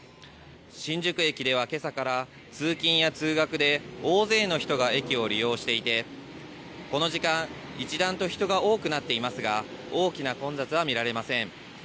新宿駅ではけさから、通勤や通学で大勢の人が駅を利用していて、この時間、一段と人が多くなっていますが、大きな混雑は見られません。